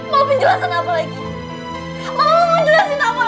mau penjelasan apa